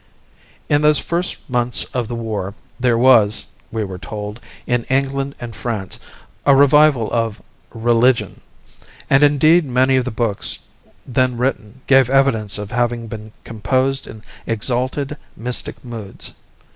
In those first months of the war there was, we were told, in England and France a revival of "religion," and indeed many of the books then written gave evidence of having been composed in exalted, mystic moods.